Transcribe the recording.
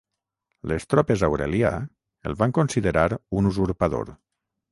Les tropes Aurelià el van considerar un usurpador.